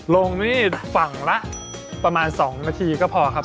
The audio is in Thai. ลงนี่ฝั่งละประมาณ๒นาทีก็พอครับ